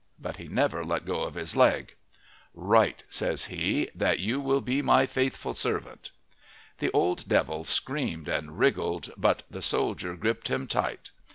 But he never let go of his leg. "Write," says he, "that you will be my faithful servant." The old devil screamed and wriggled, but the soldier gripped him tight.